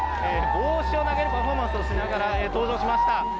帽子を投げるパフォーマンスをしながら登場しました。